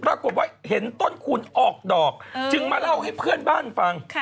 ปรากฏว่าเห็นต้นคูณออกดอกจึงมาเล่าให้เพื่อนบ้านฟัง